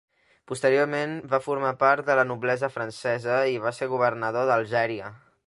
Posteriorment va formar part de la noblesa francesa i va ser governador d'Algèria.